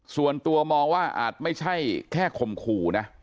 ส่วนตัวมองว่าอาจไม่ใช่แค่ข่มขู่นะ